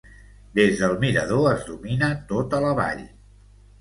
Des del mirador es domina tota la vall.